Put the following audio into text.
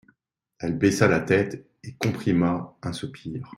Elle baissa la tête et comprima un soupir.